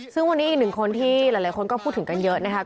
ซึ่งวันนี้อีกหนึ่งคนที่หลายคนก็พูดถึงกันเยอะนะคะ